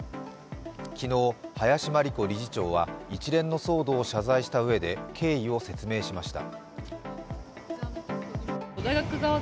昨日、林真理子理事長は一連の騒動を謝罪したうえで経緯を説明しました。